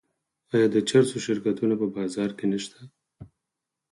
آیا د چرسو شرکتونه په بازار کې نشته؟